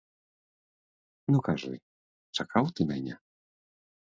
Ну, кажы, чакаў ты мяне?